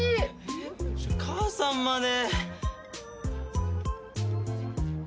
えっ母さんまで！